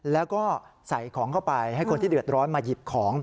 แล้วก็ใส่ของเข้าไปให้คนที่เดือดร้อนมาหยิบของ